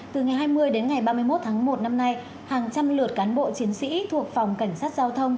từ ngày hai mươi đến ngày ba mươi một tháng một năm nay hàng trăm lượt cán bộ chiến sĩ thuộc phòng cảnh sát giao thông